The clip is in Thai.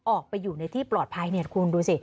ออกไปอยู่ในที่ปลอดภัยเนี่ยคุณดูสิ